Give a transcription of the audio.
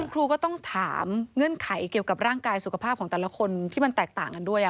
ครูก็ต้องถามเงื่อนไขเกี่ยวกับร่างกายสุขภาพของแต่ละคนที่มันแตกต่างกันด้วย